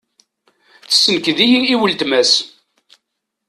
Tessenked-iyi i uletma-s.